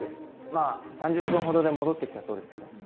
まあ３０分ほどで戻ってきたそうですけど。